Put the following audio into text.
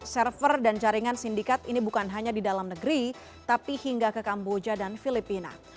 server dan jaringan sindikat ini bukan hanya di dalam negeri tapi hingga ke kamboja dan filipina